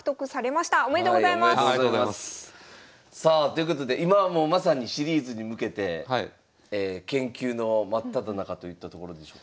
ということで今はもうまさにシリーズに向けて研究の真っただ中といったところでしょうか。